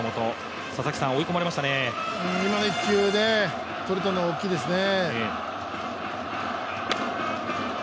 今の１球、とれたのは大きいですね。